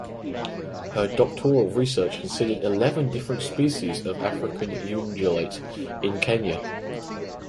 Her doctoral research considered eleven different species of African ungulate in Kenya.